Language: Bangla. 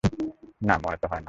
না, মনে তো হয় না।